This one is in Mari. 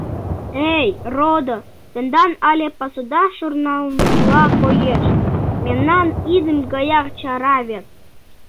— Эй, родо, тендан але пасуда шурнанла коеш, мемнан идым гаяк чара вет...